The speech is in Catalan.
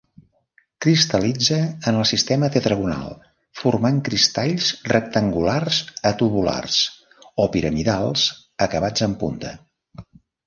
Cristal·litza en el sistema tetragonal formant cristalls rectangulars a tabulars, o piramidals acabats en punta.